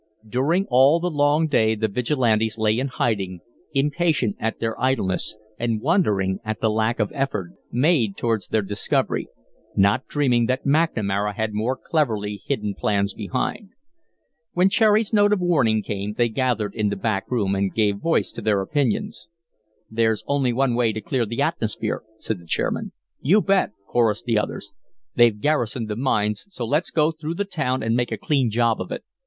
During all the long day the Vigilantes lay in hiding, impatient at their idleness and wondering at the lack of effort made towards their discovery, not dreaming that McNamara had more cleverly hidden plans behind. When Cherry's note of warning came they gathered in the back room and gave voice to their opinions. "There's only one way to clear the atmosphere," said the chairman. "You bet," chorussed the others. "They've garrisoned the mines, so let's go through the town and make a clean job of it.